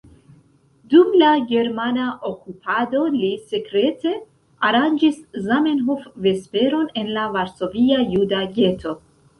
Dum la germana okupado li sekrete aranĝis Zamenhof-vesperon en la Varsovia juda geto.